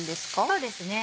そうですね。